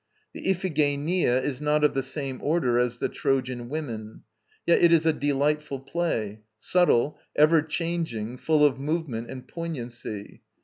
The Iphigenia is not of the same order as The Trojan Women. Yet it is a delightful play; subtle, ever changing, full of movement and poignancy.